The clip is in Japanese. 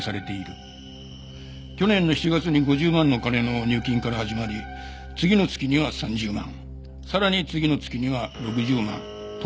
去年の７月に５０万の金の入金から始まり次の月には３０万さらに次の月には６０万等々。